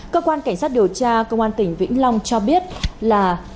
cơ quan cảnh sát điều tra công an tỉnh vĩnh long cho biết là